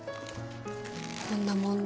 こんな問題